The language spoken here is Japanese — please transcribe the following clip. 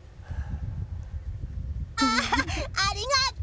ありがとう！